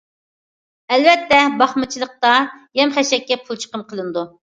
ئەلۋەتتە باقمىچىلىقتا يەم- خەشەككە پۇل چىقىم قىلىنىدۇ.